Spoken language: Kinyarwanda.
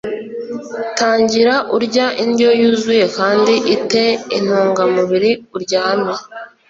Tangira urya indyo yuzuye kandi i te intungamubiri uryame